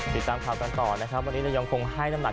ติดตามข่าวกันต่อนะครับวันนี้เรายังคงให้น้ำหนัก